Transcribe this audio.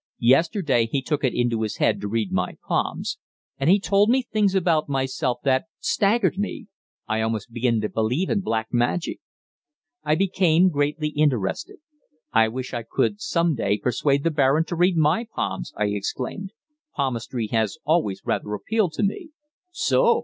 Yesterday he took it into his head to read my palms, and he told me things about myself that staggered me I almost begin to believe in black magic!" I became greatly interested. "I wish I could some day persuade the Baron to read my palms," I exclaimed, "Palmistry has always rather appealed to me." "So?"